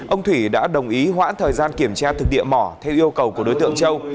ông thủy đã đồng ý hoãn thời gian kiểm tra thực địa mỏ theo yêu cầu của đối tượng châu